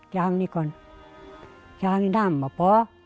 จ้างนี่ก่อนจ้างนี่น้ำมาป่อ